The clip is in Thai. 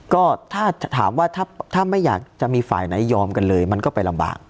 ก็ถ้าถามว่าถ้าไม่อยากจะมีฝ่ายไหนยอมกันเลยมันก็ไปลำบาก